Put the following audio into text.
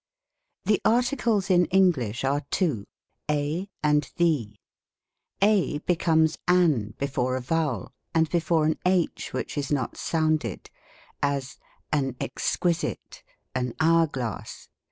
The Articles in English are two, a and tJie j a be comes an before a vowel, and before an h which is no* sounded : as, an exquisite, an hour glass.